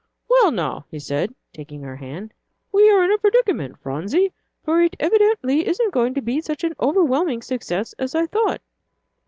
"Well, now," he said, taking her hand, "we are in a predicament, Phronsie, for it evidently isn't going to be such an overwhelming success as I thought."